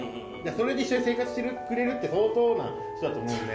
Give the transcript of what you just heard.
それで一緒に生活してくれるって相当な人だと思うので。